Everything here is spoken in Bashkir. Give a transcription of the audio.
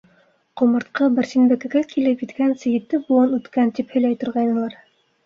Ҡомартҡы Барсынбикәгә килеп еткәнсе ете быуын үткән, тип һөйләй торғайнылар.